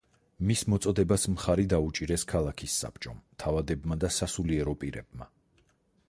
მის მოწოდებას მხარი დაუჭირეს ქალაქის საბჭომ, თავადებმა და სასულიერო პირებმა.